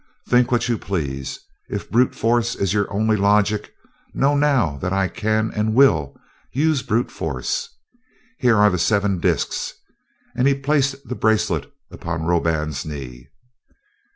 Think what you please. If brute force is your only logic, know now that I can, and will, use brute force. Here are the seven disks," and he placed the bracelet upon Roban's knee.